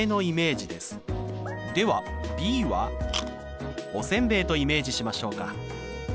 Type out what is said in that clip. ではｂはおせんべいとイメージしましょうか。